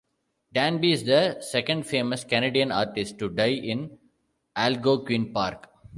Danby is the second famous Canadian artist to die in Algonquin Park.